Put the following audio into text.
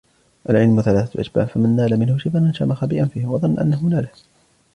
الْعِلْمُ ثَلَاثَةُ أَشْبَارٍ فَمَنْ نَالَ مِنْهُ شِبْرًا شَمَخَ بِأَنْفِهِ وَظَنَّ أَنَّهُ نَالَهُ